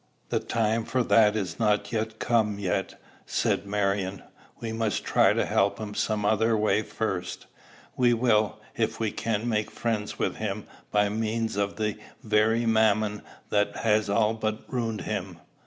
"The time for that is not come yet," said Marion. "We must try to help him some other way first. We will, if we can, make friends with him by means of the very Mammon that has all but ruined him."